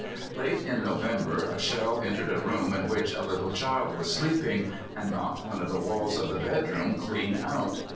Late in November a shell entered a room in which a little child was sleeping, and knocked one of the walls of the bedroom clean out.